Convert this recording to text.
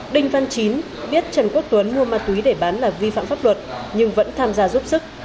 đinh văn chín biết trần quốc tuấn mua ma túy để bán là vi phạm pháp luật nhưng vẫn tham gia giúp sức